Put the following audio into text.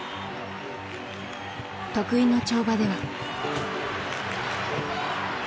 得意の跳馬では。